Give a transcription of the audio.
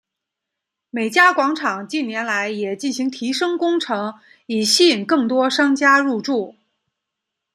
美嘉广场近年来也进行提升工程以吸引更多商家入住。